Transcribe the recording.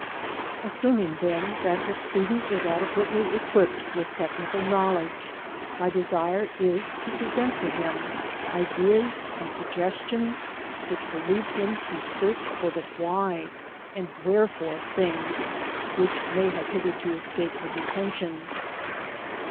Assuming then that the student is adequately equipped with technical knowledge, my desire is to present to him ideas and suggestions which will lead him to search for the why and wherefore of things which may have hitherto escaped his attention.